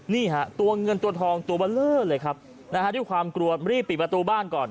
นี่ฮะตัวเงินตัวทองตัวเบลอเลยครับที่ความกลัวรีบปิดประตูบ้านก่อน